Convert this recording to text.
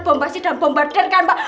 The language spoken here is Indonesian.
bombasi dan bombarder kan mbak